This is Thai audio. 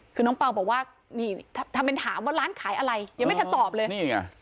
คือน้องเปล่าบอกว่านี่ทำเป็นถามว่าร้านขายอะไรยังไม่ทันตอบเลยนี่ไง